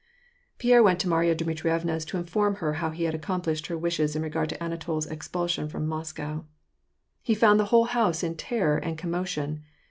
PiEBRB went to Marya Dmitrievna's to inform her how he had accomplished her wishes in regard to Anatol's expulsion from Moscow. He found the whole house in terror and commotion.